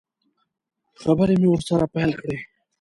خبرې مې ورسره پیل کړې.